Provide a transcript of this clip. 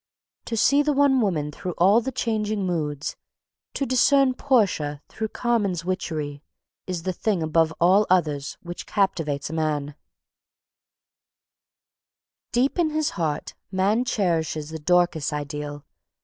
To see the one woman through all the changing moods to discern Portia through Carmen's witchery is the thing above all others which captivates a man. [Sidenote: The Dorcas Ideal] Deep in his heart, man cherishes the Dorcas ideal.